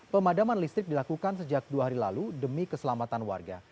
pemadaman listrik dilakukan sejak dua hari lalu demi keselamatan warga